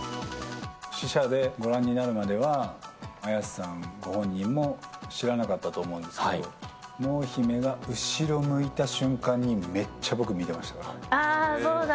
試写でご覧になるまでは、綾瀬さんご本人も知らなかったと思うんですけど、濃姫が後ろ向いた瞬間に、ああ、そうだ。